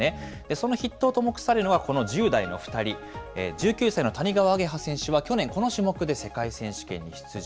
その筆頭と目されるのがこの１０代の２人、１９歳の谷川亜華葉選手は去年、この種目で世界選手権に出場。